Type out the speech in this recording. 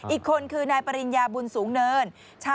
อีกคนคือนายปริญญาบุญสูงเนิน